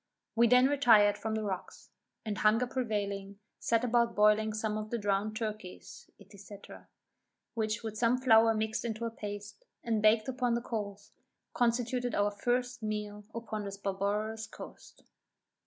We then retired from the rocks; and hunger prevailing, set about boiling some of the drowned turkeys, &c. which with some flour mixed into a paste, and baked upon the coals, constituted our first meal upon this barbarous coast.